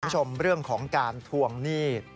คุณผู้ชมเรื่องของการทวงหนี้